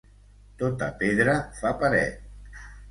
Tota pedra fa paret